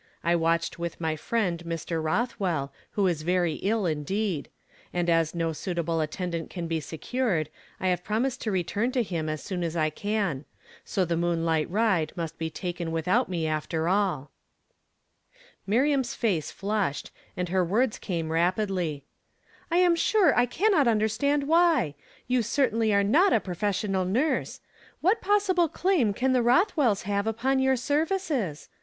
I watched with my friend Mr. Hothwell, who is very ill indeed ; and as no suitable attendant can be secured, I have promised to i eturn to him as soon as I can ; so the moonlight ride must be taken without nie after all." 270 YESTERDAY FRAMED IN TO DAY. Miriam's face flushed, and her words came rapidly. "I am sure I cannot understand wliy. You certainly are not a professional nui se. Wliat possible claim can the Uothwells have upon yoiii services